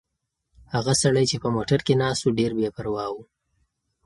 هغه سړی چې په موټر کې ناست و ډېر بې پروا و.